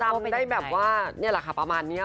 จำได้แบบว่านี่แหละค่ะประมาณนี้